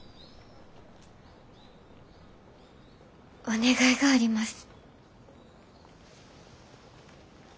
お願いがあります。